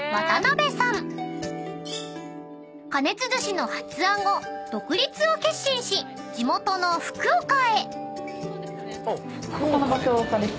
［加熱寿司の発案後独立を決心し地元の福岡へ］